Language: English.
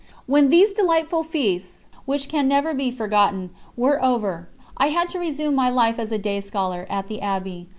When these delightful feasts, which can never be forgotten, were over, I had to resume my life as a day scholar, at the Abbey.